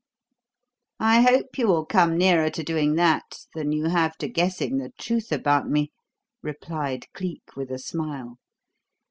"I hope you will come nearer to doing that than you have to guessing the truth about me," replied Cleek, with a smile.